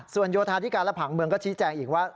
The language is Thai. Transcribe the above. ส่วนโยธาธิการและผังเมืองก็ชี้แจงอีกว่า